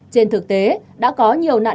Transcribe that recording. trên thực tế đã có nhiều nạn nhân